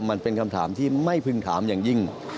มันเป็นคำถามที่ไม่พึงถามอย่างยิ่ง